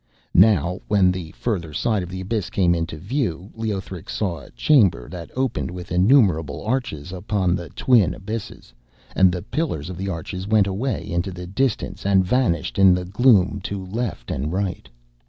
Now, when the further side of the abyss came into view, Leothric saw a chamber that opened with innumerable arches upon the twin abysses, and the pillars of the arches went away into the distance and vanished in the gloom to left and right.